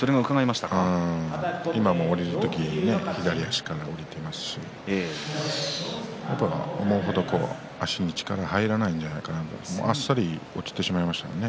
今も下りる時に左足から下りていますし足に力が入らないんじゃないかなとあっさり落ちてしまいましたね。